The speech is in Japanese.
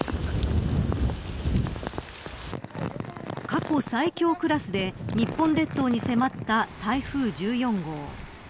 過去最強クラスで日本列島に迫った台風１４号。